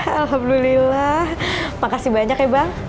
alhamdulillah makasih banyak ya bang